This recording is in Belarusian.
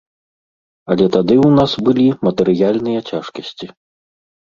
Але тады ў нас былі матэрыяльныя цяжкасці.